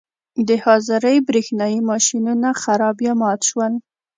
د حاضرۍ برېښنايي ماشینونه خراب یا مات شول.